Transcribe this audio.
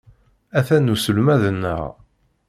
Atan uselmad-nneɣ.